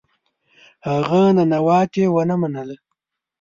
هغه ننواتې ونه منله.